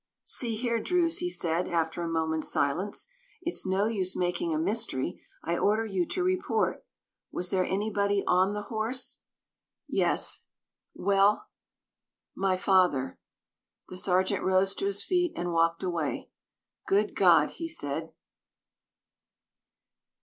"See here, Druse," he said, after a moment's silence, "it's no use making a mystery. I order you to report. Was there anybody on the horse?" "Yes." "Well?" "My father." The sergeant rose to his feet and walked away. "Good God!" he said.